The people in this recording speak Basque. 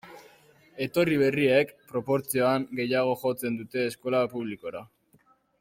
Etorri berriek, proportzioan, gehiago jotzen dute eskola publikora.